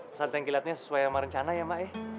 pesan tengkilatnya sesuai sama rencana ya mak ya